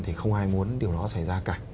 thì không ai muốn điều đó xảy ra cả